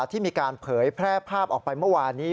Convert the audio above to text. ที่มีการเผยแพร่ภาพออกไปเมื่อวานนี้